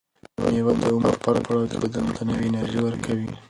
مېوه د عمر په هر پړاو کې بدن ته نوې انرژي ورکوي.